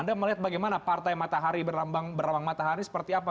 anda melihat bagaimana partai matahari berambang matahari seperti apa